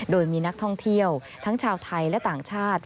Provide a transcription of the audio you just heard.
โดยมีนักท่องเที่ยวทั้งชาวไทยและต่างชาติ